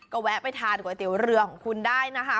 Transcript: ก็แวะไปทานก๋วยเตี๋ยวเรือของคุณได้นะคะ